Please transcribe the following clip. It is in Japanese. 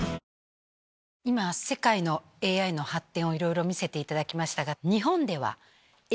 今世界のＡＩの発展をいろいろ見せていただきましたが。